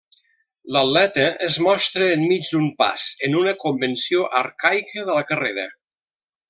L'atleta es mostra enmig d'un pas, en una convenció arcaica de la carrera.